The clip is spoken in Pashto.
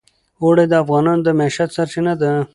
اوړي د افغانانو د معیشت سرچینه ده.